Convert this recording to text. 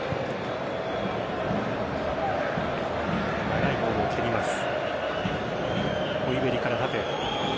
長いボールを蹴ります。